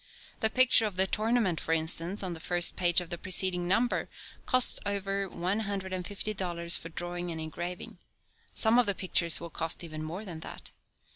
The picture of "The Tournament," for instance, on the first page of the preceding number, cost over one hundred and fifty dollars for drawing and engraving. Some of the pictures will cost even more than that.